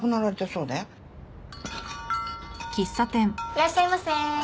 いらっしゃいませ。